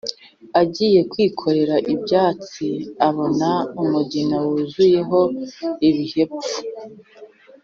agiye kwikorera ubwatsi abona umugina wuzuyeho ibihepfu,